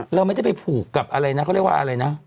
เราไม่ได้ไปผูกกับอะไรนะเขาเรียกว่าอะไรนะ